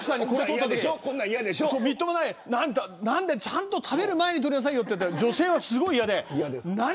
みっともない、ちゃんと食べる前に撮りなさいって女性はすごく嫌がる。